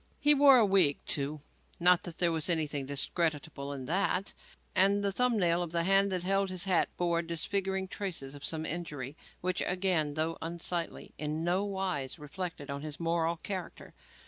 He wore a wig, too not that there was anything discreditable in that and the thumb nail of the hand that held his hat bore disfiguring traces of some injury which, again, though unsightly, in no wise reflected on his moral character.